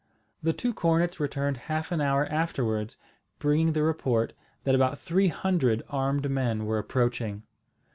The two cornets returned half an hour afterwards, bringing the report, that about three hundred armed men were approaching.